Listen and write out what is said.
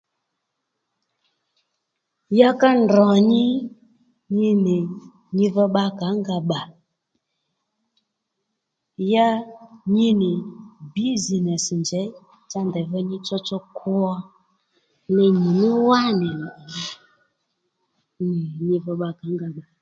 Ya ka ndrò nyi nyi nì nyi dho bba ka ó nga bbà ya nyi nì business njěy cha ndèy dho nyi tsotso kwo li nì nú wá nì nyi dho bba kǐnga ddà